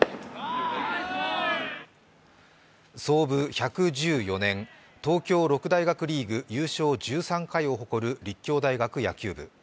創部１１４年、東京六大学リーグ優勝１３回を誇る立教大学野球部。